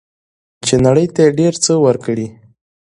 چې نړۍ ته یې ډیر څه ورکړي.